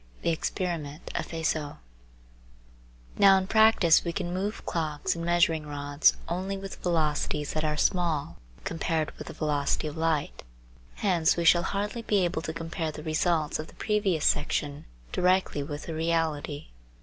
THE EXPERIMENT OF FIZEAU Now in practice we can move clocks and measuring rods only with velocities that are small compared with the velocity of light; hence we shall hardly be able to compare the results of the previous section directly with the reality.